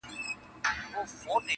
تاته نه ښايي دا کار د ساده ګانو -